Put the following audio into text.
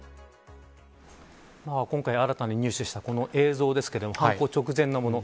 今回新たに入手したこの映像ですけれど犯行直前のもの。